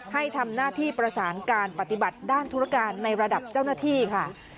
ให้ทำหน้าที่ประสานการปฏิบัติด้านธุรการในระดับเจ้าหน้าที่ค่ะ